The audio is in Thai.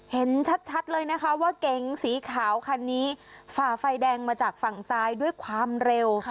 เห็นชัดเลยนะคะว่าเก๋งสีขาวคันนี้ฝ่าไฟแดงมาจากฝั่งซ้ายด้วยความเร็ว